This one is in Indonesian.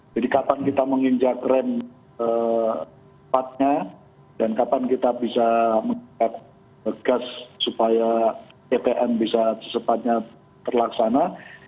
jadi kapan kita menginjak rent sempatnya dan kapan kita bisa mengikat gas supaya ptm bisa sempatnya terlaksana